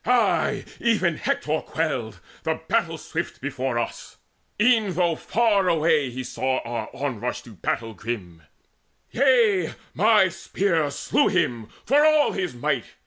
Ay, even Hector quailed, the battle swift, Before us, e'en though far away he saw Our onrush to grim battle. Yea, my spear Slew him, for all his might.